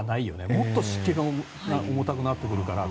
もっと湿気が重くなってくるから。